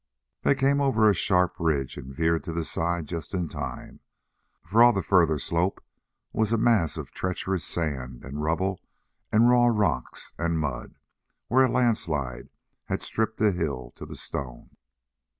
They came over a sharp ridge and veered to the side just in time, for all the further slope was a mass of treacherous sand and rubble and raw rocks and mud, where a landslide had stripped the hill to the stone.